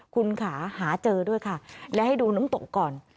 คุณค่ะหาเจอด้วยค่ะและให้ดูน้ำตกก่อน